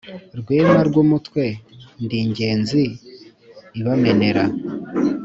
Rwema rw'umutwe ndi ingenzi ibamenera.